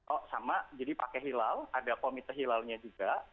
oh sama jadi pakai hilal ada komite hilalnya juga